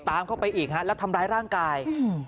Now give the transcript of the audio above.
ตามเข้าไปอีกฮะแล้วทำร้ายร่างกายอืม